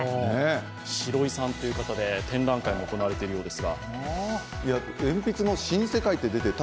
シロイさんという方で、展覧会も行われているようです。